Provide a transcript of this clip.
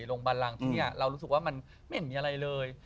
โรงพยาบาลรังที่นี่เรารู้สึกว่ามันไม่เห็นมีอะไรเลย